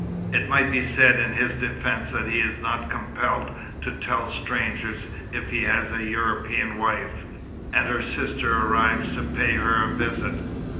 It might be said in his defence that he is not compelled to tell strangers if he has a European wife, and her sister arrives to pay her a visit.